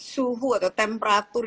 suhu atau temperatur